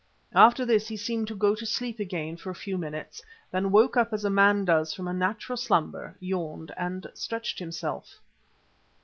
After this he seemed to go to sleep again for a few minutes, then woke up as a man does from a natural slumber, yawned and stretched himself.